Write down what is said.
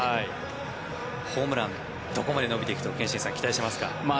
ホームランどこまで伸びていくと憲伸さん、期待しますか？